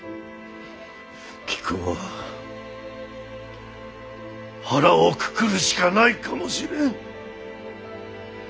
貴公は腹をくくるしかないかもしれん。